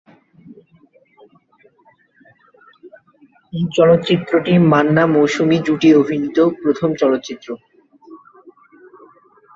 এই চলচ্চিত্রটি "মান্না-মৌসুমী" জুটি অভিনীত প্রথম চলচ্চিত্র।